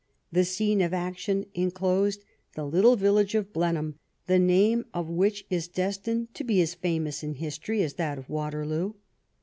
The scene of action enclosed the little village of Blenheim, the name of which is destined to be as famous in history as that of Waterloo.